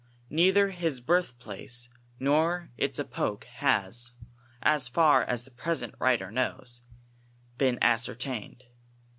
Neither his birthplace nor its epoch has, as far as the present writer knows, been ascertained.